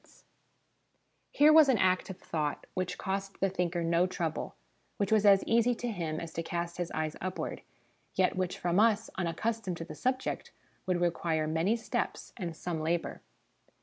SOME HABITS OF MIND SOME MORAL HABITS 151 Here was an act of thought which cost the thinker no trouble, which was as easy to him as to cast his eyes upward, yet which from us, unaccustomed to the subject, would require many steps and some labour.